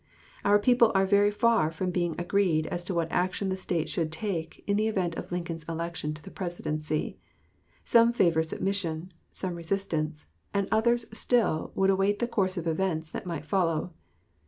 Our people are very far from being agreed as to what action the State should take in the event of Lincoln's election to the Presidency. Some favor submission, some resistance, and others still would await the course of events that might follow.